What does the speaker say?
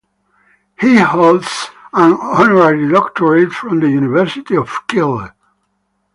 He holds an Honorary Doctorate from the University of Keele.